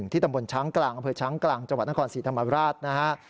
ตำบลช้างกลางอำเภอช้างกลางจังหวัดนครศรีธรรมราชนะฮะ